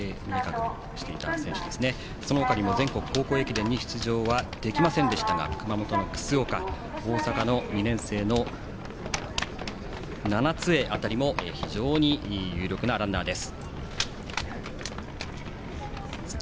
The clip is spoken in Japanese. その他にも全国高校駅伝に出場はできませんでしたが熊本の楠岡大阪の２年生の七枝辺りも非常に有力なランナーです。